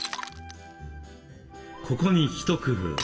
ここに一工夫。